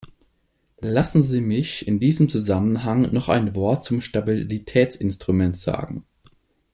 Lassen Sie mich in diesem Zusammenhang noch ein Wort zum Stabilitätsinstrument sagen.